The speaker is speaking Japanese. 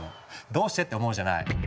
どうしてって思うじゃない？